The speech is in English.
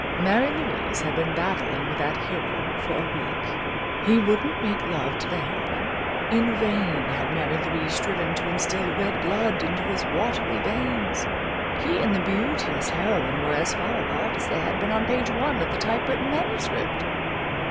Mary Louise had been battling with that hero for a week. He wouldn't make love to the heroine. In vain had Mary Louise striven to instill red blood into his watery veins. He and the beauteous heroine were as far apart as they had been on Page One of the typewritten manuscript.